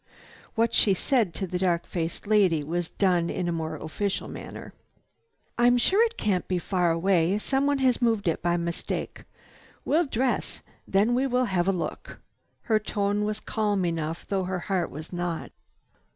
What she said to the dark faced lady was done in a more official manner: "I'm sure it can't be far away. Someone has moved it by mistake. We'll dress, then we will have a look." Her tone was calm enough, though her heart was not.